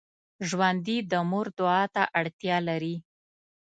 ژوندي د مور دعا ته اړتیا لري